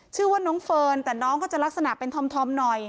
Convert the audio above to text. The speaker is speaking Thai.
ชื่อว่าน้องเฟิร์นแต่น้องเขาจะลักษณะเป็นธอมหน่อย